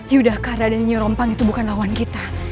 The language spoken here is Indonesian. yudhakara dan nyurumpang itu bukan lawan kita